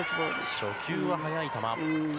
初球は速い球。